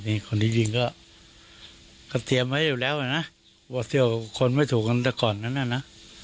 เนี้ยคนที่ยิงก็ก็เตรียมไว้อยู่แล้วนะว่าเที่ยวกับคนไม่ถูกกันตั้งแต่ก่อนนั้นนะ